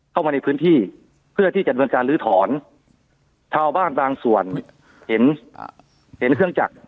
เข้ามาในพื้นที่เพื่อที่จะดำเนินการลื้อถอนชาวบ้านบางส่วนเห็นเห็นเครื่องจักร